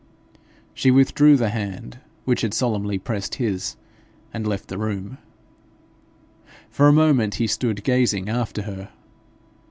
She withdrew the hand which had solemnly pressed his, and left the room. For a moment he stood gazing after her.